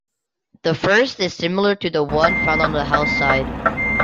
The first is similar to the one found on the House side.